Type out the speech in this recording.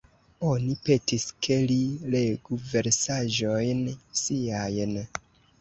Oni petis, ke li legu versaĵojn siajn.